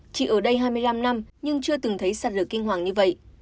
chỉ ở đây hai mươi năm năm nhưng chưa từng thấy sạt lở kinh hoàng như vậy